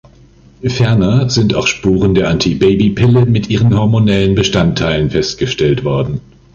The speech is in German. Ferner sind auch Spuren der Antibabypille mit ihren hormonellen Bestandteilen festgestellt worden.